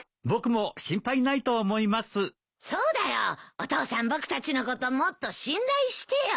お父さん僕たちのこともっと信頼してよ。